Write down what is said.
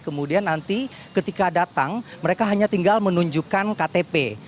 kemudian nanti ketika datang mereka hanya tinggal menunjukkan ktp